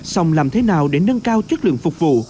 xong làm thế nào để nâng cao chất lượng phục vụ